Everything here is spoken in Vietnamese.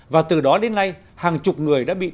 và từ đó đến nay hàng chục người đã bị